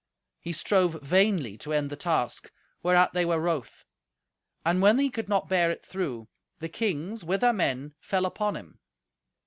He strove vainly to end the task, whereat they were wroth. And when he could not bear it through, the kings, with their men, fell upon him.